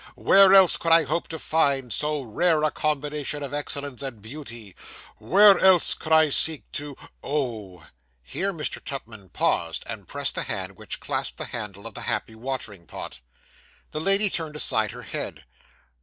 Where else could I hope to find so rare a combination of excellence and beauty? Where else could I seek to Oh!' Here Mr. Tupman paused, and pressed the hand which clasped the handle of the happy watering pot. The lady turned aside her head.